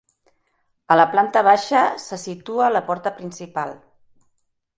A la planta baixa se situa la porta principal.